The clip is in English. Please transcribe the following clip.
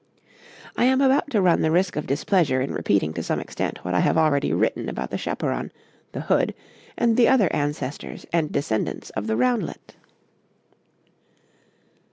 I am about to run the risk of displeasure in repeating to some extent what I have already written about the chaperon, the hood, and the other ancestors and descendants of the roundlet.